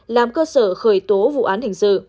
làm cơ sở khởi tố vụ án hình sự